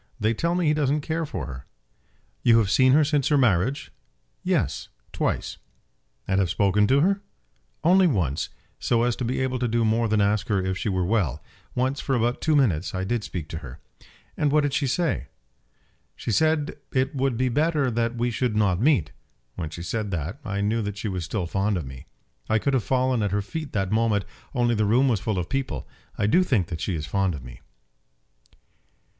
They tell me he doesn't care for her." "You have seen her since her marriage?" "Yes; twice." "And have spoken to her?" "Once only, so as to be able to do more than ask her if she were well. Once, for about two minutes, I did speak to her." "And what did she say?" "She said it would be better that we should not meet. When she said that, I knew that she was still fond of me. I could have fallen at her feet that moment, only the room was full of people. I do think that she is fond of me."